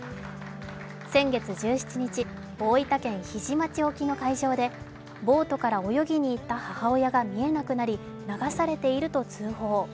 先月１７日、大分県日出町沖の海上でボートから泳ぎにいった母親が見えなくなり流されていると通報。